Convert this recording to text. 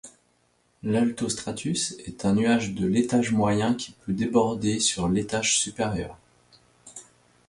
L'altostratus est un nuage de l'étage moyen qui peut déborder sur l'étage supérieur.